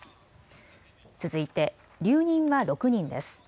続いて留任は６人です。